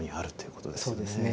そうですね。